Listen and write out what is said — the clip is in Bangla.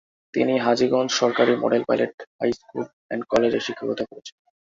তিনি হাজীগঞ্জ সরকারি model pilot high school and কলেজে শিক্ষকতা করেছেন।